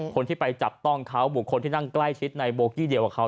คนที่ไปจับต้องเขาบุคคลที่นั่งใกล้ชิดในโบกี้เดียวกับเขา